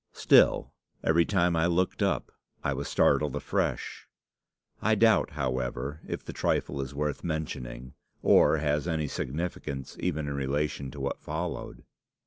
Still, every time I looked up, I was startled afresh. I doubt, however, if the trifle is worth mentioning, or has any significance even in relation to what followed.